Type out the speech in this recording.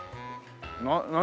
何？